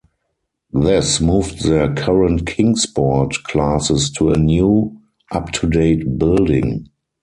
This moved their current Kingsport classes to a new up to date building.